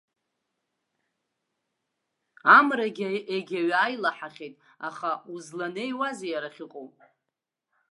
Амрагьы иагаҩы аилаҳахьеит, аха узланеиуазеи иара ахьыҟоу?